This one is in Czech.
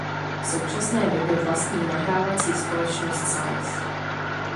V současné době vlastní nahrávací společnost "Size".